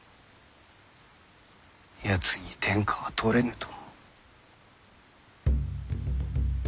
やつに天下は取れぬと思う。